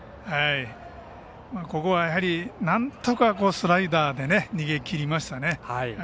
ここはやはり何とかスライダーで逃げきりましたね。